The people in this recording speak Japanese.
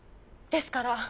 ですから。